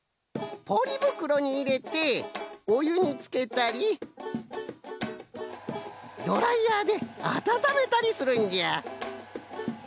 ポリぶくろにいれておゆにつけたりドライヤーであたためたりするんじゃ。